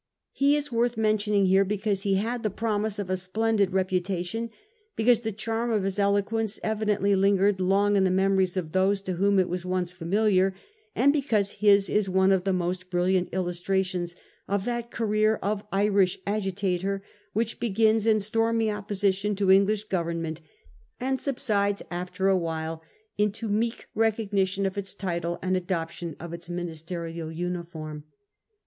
He is worth mentioning here because he had the promise of a splendid reputation ; because the charm of his eloquence evidently lingered long in the memories of those to whom it was once familiar, and because his is one of the most brilliant illustra tions of that career of Irish agitator, which begins in stormy opposition to English government, and sub sides after a while into meek recognition of its title and adoption of its ministerial uniform.